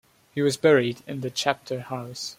He was buried in the chapter house.